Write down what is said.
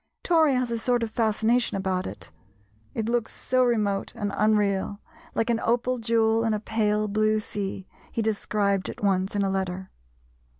Tory has a sort of fascination about it, it looks so remote and unreal, "like an opal jewel in a pale blue sea," he described it once in a letter.